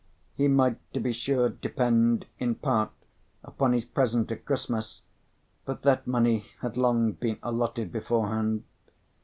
He might, to be sure, depend, in part, upon his present at Christmas; but that money had long been allotted beforehand.